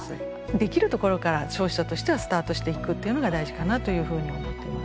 できるところから消費者としてはスタートしていくというのが大事かなというふうに思っています。